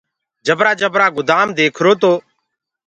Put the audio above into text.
جبرآ جبرآ گُدآم ديکرو تو۔